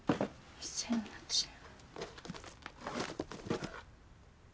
２００８年。